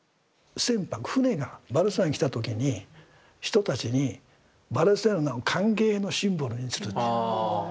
船舶船がバルセロナに来た時に人たちに「バルセロナを歓迎のシンボルにする」って。